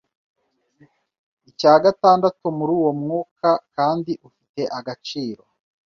Icya gatandatu muri uwo mwuka kandi ufite agaciro